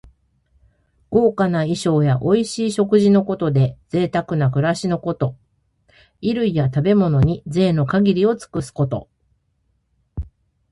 豪華な衣装やおいしい食事のことで、ぜいたくな暮らしのこと。衣類や食べ物に、ぜいの限りを尽くすこと。